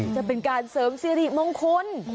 จะเป็นการเสริมเสียดีมงคล